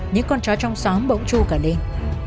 những con chó trong xóm bỗng chu cả lên